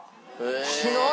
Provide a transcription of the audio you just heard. しない？